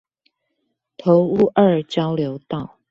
頭屋二交流道